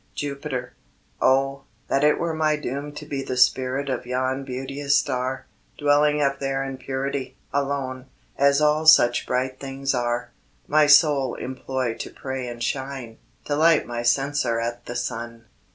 JUPITER. Oh! that it were my doom to be The spirit of yon beauteous star, Dwelling up there in purity, Alone, as all such bright things are; My sole employ to pray and shine, To light my censer at the sun!